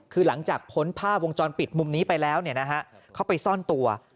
คือหลังจากพ้นภาพวงจรปิดมุมนี้ไปแล้วเขาไปซ่อนตัว